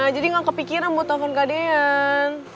jadi gak kepikiran buat telepon kak deyan